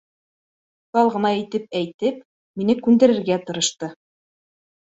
Уҫал ғына итеп әйтеп, мине күндерергә тырышты.